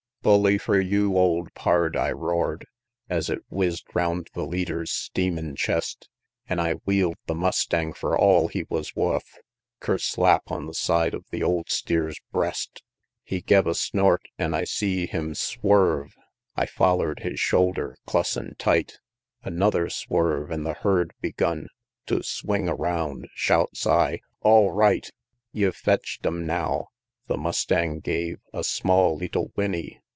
"Bully fur you, old pard!" I roar'd, Es it whizz'd roun' the leader's steamin' chest, An' I wheel'd the mustang fur all he was wuth Kerslap on the side of the old steer's breast. XLII. He gev a snort, an' I see him swerve I foller'd his shoulder clus an' tight; Another swerve, an' the herd begun To swing around. Shouts I, "All right "Ye've fetch'd 'em now!" The mustang gave A small, leettle whinney.